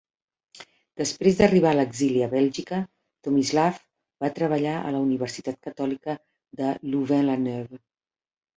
Després d'arribar a l'exili a Bèlgica, Tomislav va treballar a la Universitat Catòlica de Louvain-la-Neuve.